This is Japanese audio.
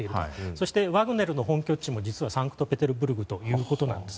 そしてワグネルの本拠地も実はサンクトペテルブルクということなんです。